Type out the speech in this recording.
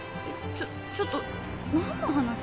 ちょっちょっと何の話？